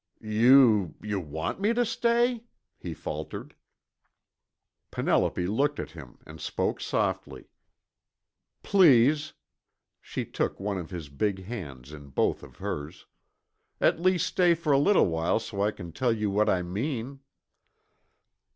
"Y you you want me tuh stay?" he faltered. Penelope looked at him and spoke softly. "Please." She took one of his big hands in both of hers. "At least stay for a little while so I can tell you what I mean."